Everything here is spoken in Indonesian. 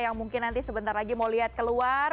yang mungkin nanti sebentar lagi mau lihat keluar